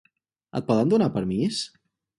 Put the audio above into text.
Et poden donar permís?